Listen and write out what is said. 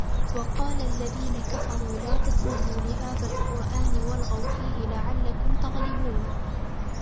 وَقَالَ الَّذِينَ كَفَرُوا لَا تَسْمَعُوا لِهَذَا الْقُرْآنِ وَالْغَوْا فِيهِ لَعَلَّكُمْ تَغْلِبُونَ